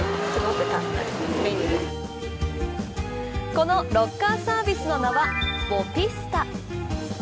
このロッカーサービスの名はボピスタ。